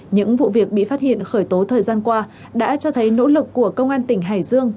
những vụ việc bị phát hiện khởi tố thời gian qua đã cho thấy nỗ lực của công an tỉnh hải dương